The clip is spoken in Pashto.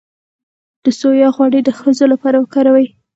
د سویا غوړي د ښځو لپاره وکاروئ